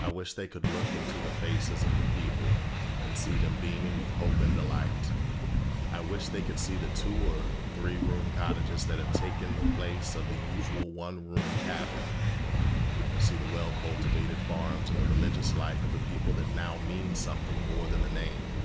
I wish they could look into the faces of the people, and see them beaming with hope and delight. I wish they could see the two or three room cottages that have taken the place of the usual one room cabin, see the well cultivated farms and the religious life of the people that now means something more than the name.